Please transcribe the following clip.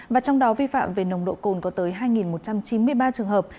và trong đó vi phạm về nồng độ cồn có tới hai một trăm chín mươi ba trường hợp